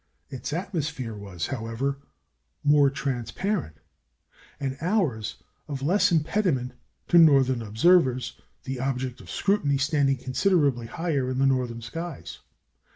Its atmosphere was, however, more transparent, and ours of less impediment to northern observers, the object of scrutiny standing considerably higher in northern skies.